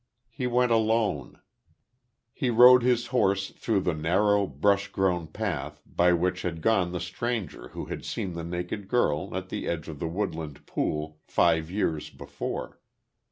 He went alone. He rode his horse through the narrow, brush grown path by which had gone the stranger who had seen the naked girl, at the edge of the woodland pool, five years before.